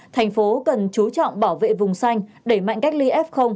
thành phố cần chú trọng bảo vệ vùng xanh đẩy mạnh cách ly f